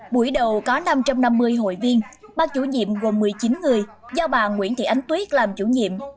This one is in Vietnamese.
buổi đầu có năm trăm năm mươi hội viên ban chủ nhiệm gồm một mươi chín người do bà nguyễn thị ánh tuyết làm chủ nhiệm